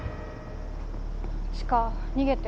智花逃げて。